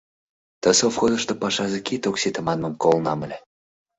Ты совхозышто пашазе кид ок сите манмым колынам ыле.